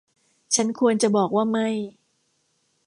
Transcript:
ฉันควรจะบอกว่าไม่